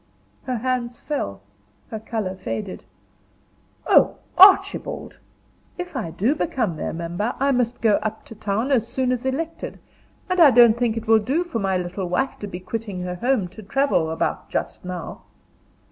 Her hands fell her color faded. "Oh, Archibald!" "If I do become their member, I must go up to town as soon as elected, and I don't think it will do for my little wife to be quitting her home to travel about just now."